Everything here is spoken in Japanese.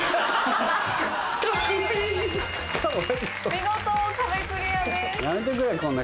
見事壁クリアです。